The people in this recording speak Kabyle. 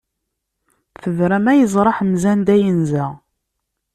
Tebra ma yeẓra Ḥemza anda yenza!